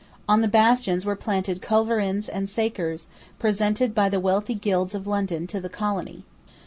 On the bastions were planted culverins and sakers presented by the wealthy guilds of London to the colony.